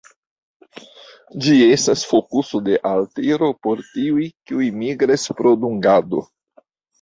Ĝi estas fokuso de altiro por tiuj, kiuj migras pro dungado.